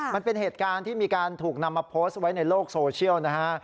มันเป็นเหตุการณ์ที่มีการถูกนำมาโพสต์ไว้ในโลกโซเชียลนะฮะ